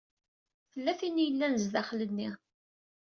Tella tin i yellan zdaxel-nni.